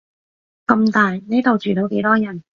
咁大，呢度住到幾多人